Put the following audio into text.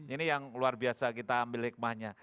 ini yang luar biasa kita ambil hikmahnya